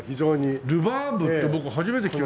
ルバーブって僕初めて聞く。